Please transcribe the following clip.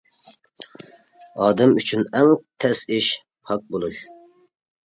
ئادەم ئۈچۈن ئەڭ تەس ئىش-پاك بولۇش.